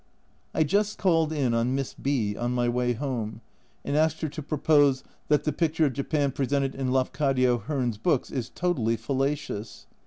I just called in on Miss B on my way home, and asked her to propose " That the picture of Japan presented in Lafcadio Hearn's books is totally fallacious."